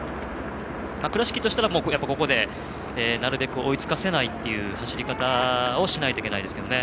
倉敷としたら、ここでなるべく追いつかせないという走り方をしないといけないですけどね。